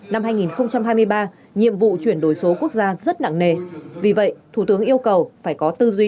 năm hai nghìn hai mươi ba nhiệm vụ chuyển đổi số quốc gia rất nặng nề vì vậy thủ tướng yêu cầu phải có tư duy